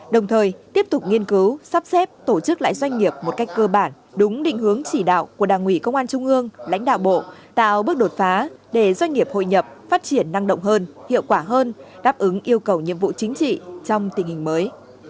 đồng thời tiếp tục nghiên cứu sắp xếp tổ chức lại doanh nghiệp một cách cơ bản đúng định hướng chỉ đạo của đảng ủy công an trung ương lãnh đạo bộ tạo bước đột phá để doanh nghiệp hội nhập phát triển năng động hơn hiệu quả hơn đáp ứng yêu cầu nhiệm vụ chính trị trong tình hình mới